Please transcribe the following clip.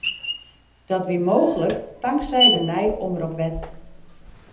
Dat wie mooglik tanksij in nije omropwet.